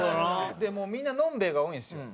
でもうみんなのんべえが多いんですよ。